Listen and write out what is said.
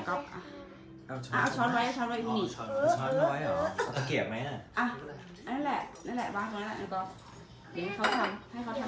ก็เก็บเข้าให้ไหนเอาช้อนไปเลยล่ะก็อ่ะเอาช้อนไว้เอาช้อน